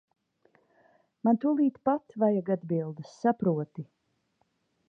Man tūlīt pat vajag atbildes, saproti.